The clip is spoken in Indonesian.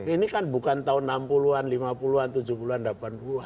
ini kan bukan tahun enam puluh an lima puluh an tujuh puluh an delapan puluh an